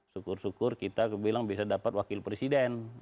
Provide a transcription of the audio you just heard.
syukur syukur kita bilang bisa dapat wakil presiden